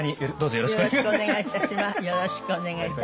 よろしくお願いします。